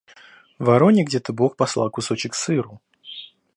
Вороне где-то бог послал кусочек сыру;